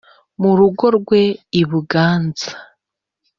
mu rugo rwe i buganza,